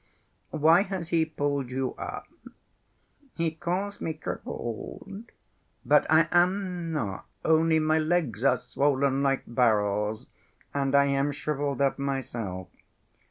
Why has he pulled you up? He calls me crippled, but I am not, only my legs are swollen like barrels, and I am shriveled up myself.